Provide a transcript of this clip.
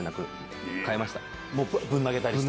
ぶん投げたりして？